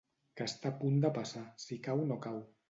Que està a punt de passar, si cau no cau.